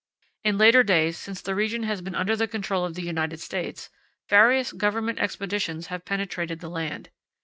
In later days, since the region has been under the control of the United States, various government expeditions have penetrated the land.